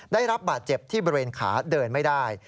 ได้รับบาดเจ็บที่บริเวณขาเดินไม่ได้